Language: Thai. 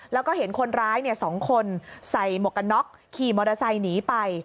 แล้วก็เห็นคนร้าย๒คนใส่หมวกกันน็อกขี่มอเตอร์ไซค์หนีไป